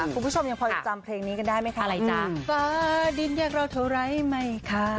คุณผู้ชมยังคอยจำเพลงนี้กันได้ไหมคะ